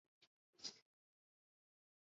尾鳍及尾柄部有蓝色斑纹。